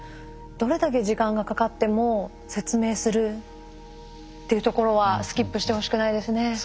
どれだけ時間がかかっても説明するっていうところはスキップしてほしくないですね。